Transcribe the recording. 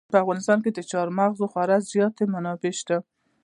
په افغانستان کې د چار مغز خورا ډېرې منابع شته دي.